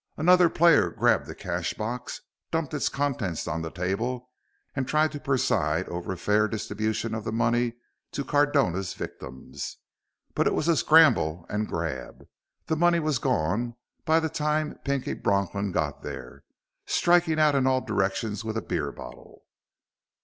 Another player grabbed the cash box, dumped its contents on the table and tried to preside over a fair distribution of the money to Cardona's victims; but it was scramble and grab. The money was gone by the time Pinky Bronklin got there, striking out in all directions with a beer bottle.